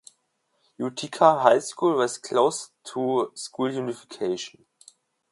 Utica High School was closed through school unification.